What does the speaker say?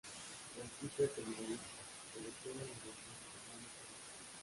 Practica el canibalismo, sobre todo al aumentar su tamaño con la edad.